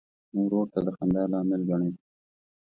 ورور ته د خندا لامل ګڼې.